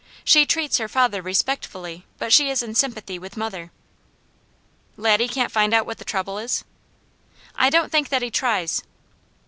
She treats her father respectfully, but she's in sympathy with mother." "Laddie can't find out what the trouble is?" "I don't think that he tries."